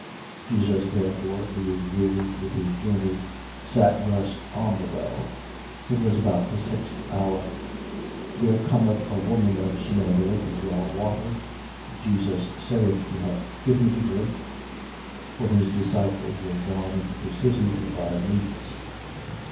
Jesus therefore, being wearied with his journey, sat thus on the well. It was about the sixth hour. 4:7. There cometh a woman of Samaria, to draw water. Jesus saith to her: Give me to drink. 4:8. For his disciples were gone into the city to buy meats.